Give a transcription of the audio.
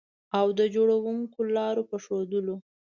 او د جوړوونکو لارو په ښودلو